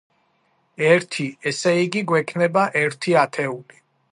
ერთი. ესე იგი, გვექნება ერთი ათეული.